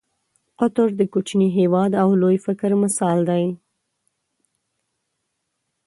قطر د کوچني هېواد او لوی فکر مثال دی.